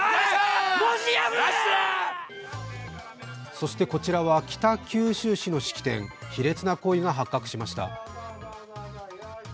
そしてこちらは北九州市の式典、卑劣な行為が発覚しました。